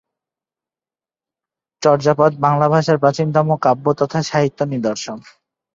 চর্যাপদ বাংলা ভাষার প্রাচীনতম কাব্য তথা সাহিত্য নিদর্শন।